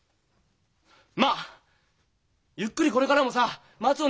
まあゆっくりこれからもさ「待つ女」